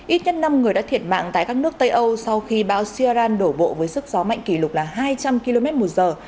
ít nhất năm người đã thiệt mạng tại các nước tây âu sau khi bão siaran đổ bộ với sức gió mạnh kỷ lục là hai trăm linh km một giờ